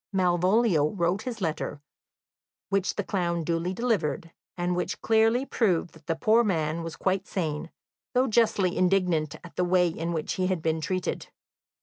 Malvolio wrote his letter, which the clown duly delivered, and which clearly proved that the poor man was quite sane, though justly indignant at the way in which he had been treated.